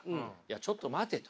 ちょっと待てと。